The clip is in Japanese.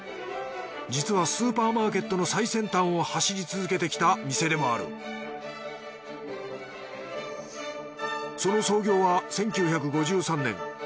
実はスーパーマーケットの最先端を走り続けてきた店でもあるその創業は１９５３年。